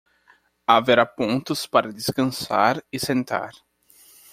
Haverá pontos para descansar e sentar